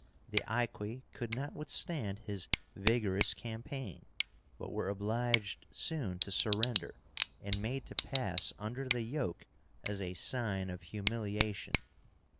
The Aequi could not withstand his vigorous campaign, but were obliged soon to surrender, and made to pass under the yoke as a sign of humiliation.